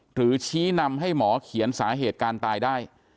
หรือชี้นำให้หมอเขียนสาเหตุการตายได้